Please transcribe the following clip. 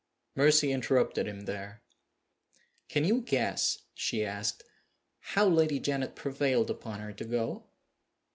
Mercy interrupted him there. "Can you guess," she asked, "how Lady Janet prevailed upon her to go?"